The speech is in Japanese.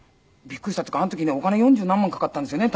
びっくりしたっていうかあの時ねお金四十何万かかったんですよね